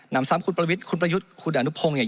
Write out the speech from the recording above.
นำซ้ำคุณประวิทย์คุณประยุทธ์คุณอนุพงศ์เนี่ย